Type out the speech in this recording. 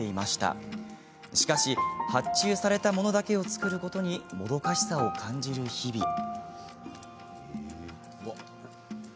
しかし発注されたものだけを作ることにもどかしさを感じる日々。